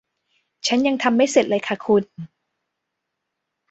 ฉันยังทำไม่เสร็จเลยค่ะคุณ